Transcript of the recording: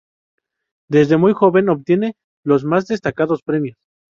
Desde muy joven obtiene los más destacados premios.